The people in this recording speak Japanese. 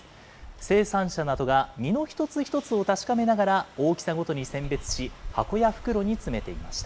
生産者などが実の一つ一つを確かめながら、大きさごとに選別し、箱や袋に詰めていました。